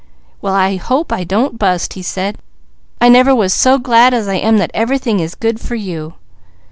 "Well I hope I don't bust!" he said. "I never was so glad as I am that everything is good for you."